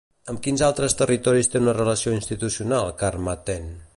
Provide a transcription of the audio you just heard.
Amb quins altres territoris té una relació institucional, Carmarthen?